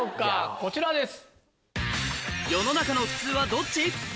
こちらです。